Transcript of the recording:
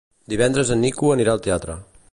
Divendres en Nico anirà al teatre.